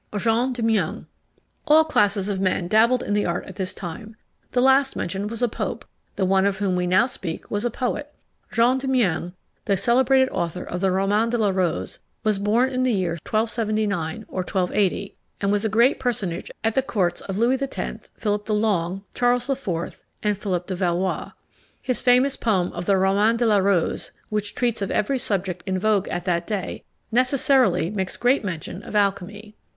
JEAN DE MEUNG. All classes of men dabbled in the art at this time; the last mentioned was a pope, the one of whom we now speak was a poet. Jean de Meung, the celebrated author of the Roman de la Rose, was born in the year 1279 or 1280, and was a great personage at the courts of Louis X., Philip the Long, Charles IV., and Philip de Valois. His famous poem of the Roman de la Rose, which treats of every subject in vogue at that day, necessarily makes great mention of alchymy.